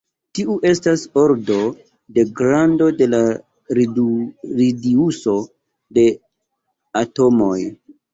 Tiu estas ordo de grando de la radiuso de atomoj.